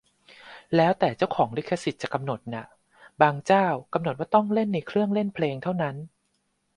แล้วแต่เจ้าของลิขสิทธิ์จะกำหนดน่ะ - บางเจ้ากำหนดว่าต้องเล่นในเครื่องเล่นเพลงเท่านั้น